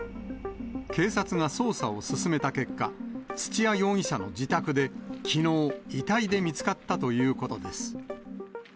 警察が捜査を進めた結果、土屋容疑者の自宅できのう、遺体で見つかったということです。